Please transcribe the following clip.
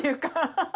ハハハハ！